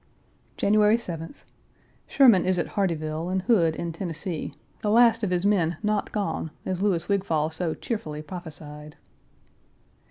January 7th. Sherman is at Hardieville and Hood in Tennessee, the last of his men not gone, as Louis Wigfall so cheerfully prophesied.